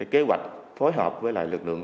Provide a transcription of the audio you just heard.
kế hoạch phối hợp với lực lượng